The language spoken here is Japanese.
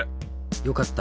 よかった。